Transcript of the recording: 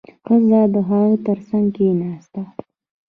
ښځه د هغه تر څنګ کېناسته.